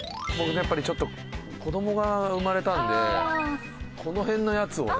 やっぱりちょっと子供が生まれたのでこの辺のやつをね。